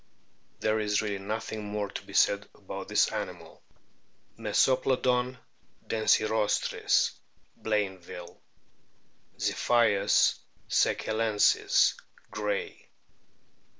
There is really nothing more to be said about this animal. Mesoplodon densirostris , Blainville ;* (^Ziphius sechellensis, Gray).